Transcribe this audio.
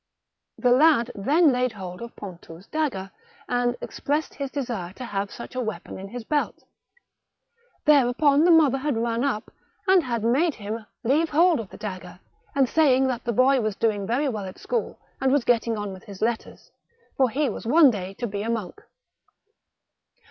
The lad then laid hold of Pontou*s dagger, and expressed his desire to have such a weapon in his belt. Thereupon the mother had run up and had made hivn THE MAB^CHAL DE BETZ. 193 leave hold of the dagger, saying that the boy was doing Teiy well at school, and was getting on with his letters, for he was one day to be a monk.